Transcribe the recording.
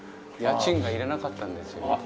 家賃がいらなかったんですよ。